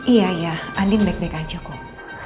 iya ya andin baik baik aja kok